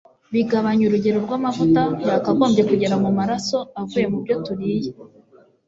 Bigabanya urugero rw'amavuta yakagombye kugera mu maraso avuye mu byo turiye;